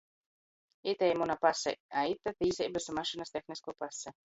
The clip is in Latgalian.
Itei muna pase, a ite — tīseibys i mašynys tehniskuo pase.